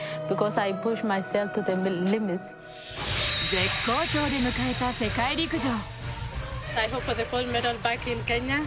絶好調で迎えた世界陸上。